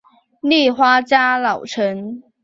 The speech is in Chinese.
立花家老臣。